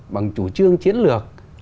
bằng chủ trương chiến lược